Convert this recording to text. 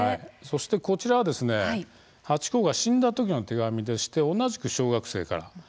こちらはハチ公が死んだ時の手紙で、同じく小学生からです。